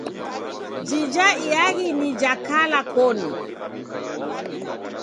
Jija iaghi ni na kala koni.